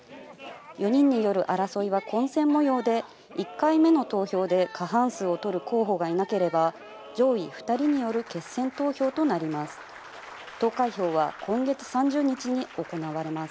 ４人による争いは混戦模様で、１回目の投票で過半数を取る候補がいなければ、上位２人による決選投票となります。